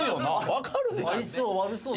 分かるでしょ。